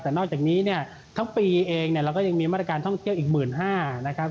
แต่นอกจากนี้เนี่ยทั้งปีเองเนี่ยเราก็ยังมีมาตรการท่องเที่ยวอีก๑๕๐๐นะครับ